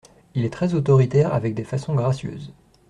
Il est très autoritaire avec des façons gracieuses.